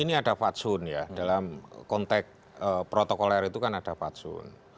ini ada fatsun ya dalam konteks protokoler itu kan ada fatsun